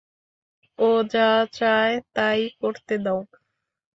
ও যা চায় তা-ই করতে দাও।